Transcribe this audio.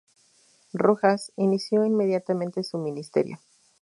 Rojas, inició inmediatamente su ministerio.